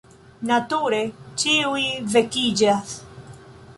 Nature, ĉiuj vekiĝas.